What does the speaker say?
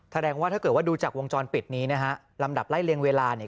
แสดงว่าถ้าเกิดว่าดูจากวงจรปิดนี้นะฮะลำดับไล่เรียงเวลาเนี่ย